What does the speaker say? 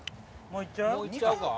もう行っちゃう？